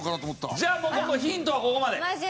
じゃあもうヒントはここまで。